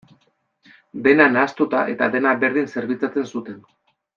Dena nahastuta eta dena berdin zerbitzatzen zuten.